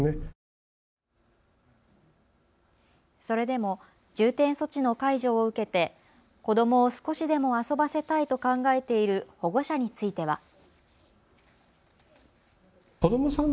それでも重点措置の解除を受けて子どもを少しでも遊ばせたいと考えている保護者については。